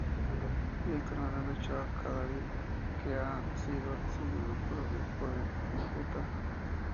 Víctor Manuel Ochoa Cadavid que ha sido designado Obispo de Cúcuta.